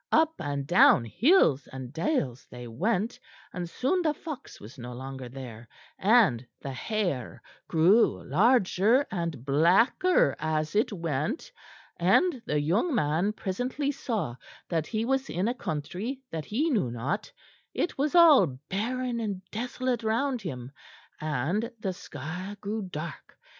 Up and down hills and dales they went, and soon the fox was no longer there, and the hare grew larger and blacker as it went; and the young man presently saw that he was in a country that he knew not; it was all barren and desolate round him, and the sky grew dark.